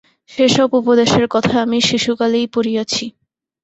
সে-সব উপদেশের কথা আমি শিশুকালেই পড়িয়াছি।